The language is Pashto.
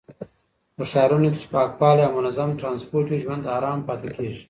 په ښارونو کې چې پاکوالی او منظم ټرانسپورټ وي، ژوند آرام پاتې کېږي.